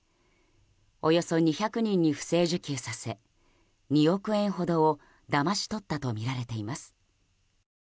およそ２００人に不正受給させ２億円ほどをだまし取ったとみられています。